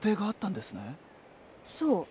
そう。